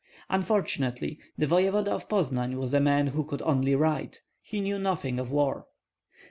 Unfortunately the voevoda of Poznan was a man who could only write; he knew nothing of war.